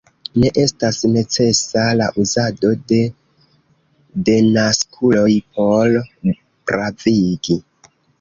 Ne estas necesa la uzado de denaskuloj por pravigi.